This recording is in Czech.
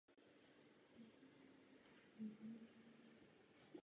Jednoduché zápletky jsou srozumitelné i lidem bez znalosti turečtiny.